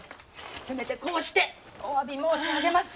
せめてこうしておわび申し上げます。